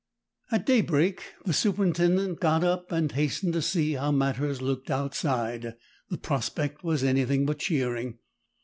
At daybreak the superintendent got up and hastened to see how matters looked outside. The prospect was anything but cheering.